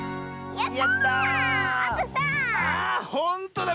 あっほんとだ！